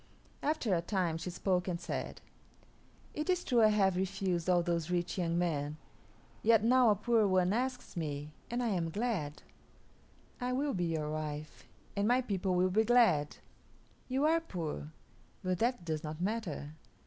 After a time she spoke and said, "It is true I have refused all those rich young men; yet now a poor one asks me, and I am glad. I will be your wife, and my people will be glad. You are poor, but that does not matter.